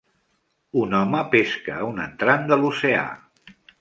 Un home pesca a un entrant de l'oceà